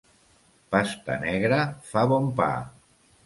Pasta negra fa bon pa.